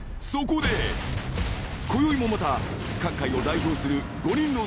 ［こよいもまた各界を代表する］